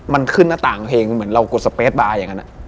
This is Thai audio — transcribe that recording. มันขึ้นหน้าต่างเพลงเหมือนเรากดสเปสบาร์อย่างนั้น